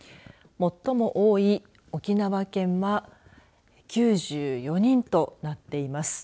最も多い沖縄県は９４人となっています。